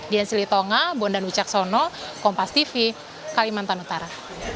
dian syeli tonga bondan ucaksono kompastv kalimantan utara